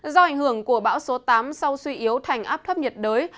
do ảnh hưởng của bão số tám sau suy yếu thành áp thấp nhiệt đới